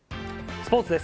スポーツです。